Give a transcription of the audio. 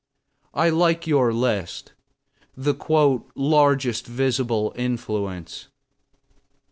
.................. I like your list. The "largest visible influence."